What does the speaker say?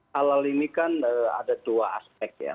halal ini kan ada dua aspek ya